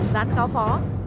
gián cáo phó